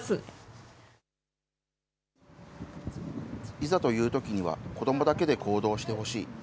いざというときには、子どもだけで行動してほしい。